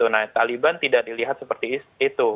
nah taliban tidak dilihat seperti itu